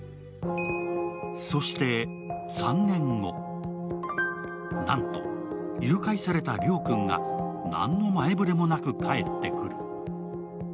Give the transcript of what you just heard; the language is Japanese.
そして３年後、なんと誘拐された亮君が何の前触れもなく帰ってくる。